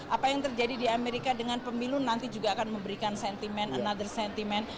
apa yang terjadi di amerika dengan pemilu nanti juga akan memberikan sentimen another sentiment